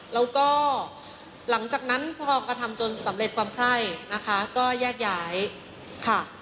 แล้วก็หลังจากนั้นพอกระทำจนสำเร็จความไข้นะคะก็แยกย้ายค่ะ